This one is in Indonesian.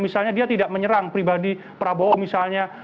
misalnya dia tidak menyerang pribadi prabowo misalnya